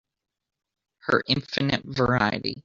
Her infinite variety